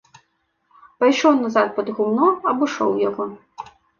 Пайшоў назад пад гумно, абышоў яго.